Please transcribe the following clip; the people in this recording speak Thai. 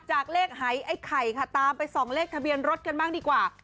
จากเลขหายไอ้ไข่ค่ะตามไปส่องเลขทะเบียนรถกันบ้างดีกว่า